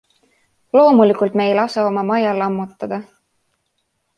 Loomulikult me ei lase oma maja lammutada.